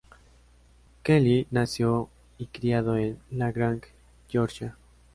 Kelley nació y criado en LaGrange, Georgia.